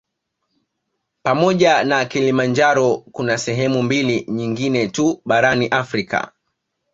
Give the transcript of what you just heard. Pamoja na Kilimanjaro kuna sehemu mbili nyingine tu barani Afrika